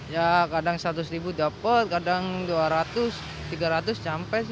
ya kadang rp seratus dapat kadang rp dua ratus rp tiga ratus sampai sih